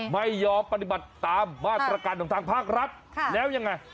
ไม่ยอมปฏิบัติตามมาตรการของทางภาครัฐแล้วยังไง